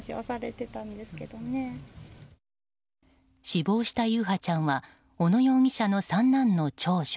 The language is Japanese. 死亡した優陽ちゃんは小野容疑者の三男の長女。